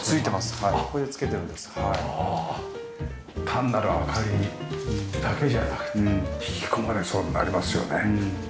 単なる明かりだけじゃなくて引き込まれそうになりますよね。